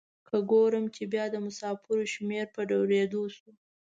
که ګورم چې بیا د مسافرو شمیر په ډیریدو شو.